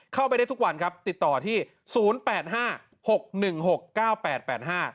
เข้าไปได้ทุกวันครับติดต่อที่ศูนย์แปดห้าหกหนึ่งหกเก้าแปดแปดห้า